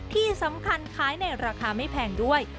ที่สำคัญขายในราคาไม่แพงด้วย